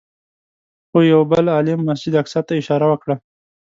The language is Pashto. خو یوه بل عالم مسجد اقصی ته اشاره وکړه.